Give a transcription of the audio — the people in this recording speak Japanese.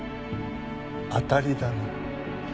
当たりだな。